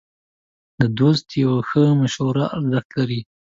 د دوست یوه ښه مشوره ارزښت لري.